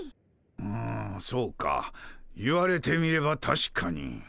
うぬそうか言われてみればたしかに。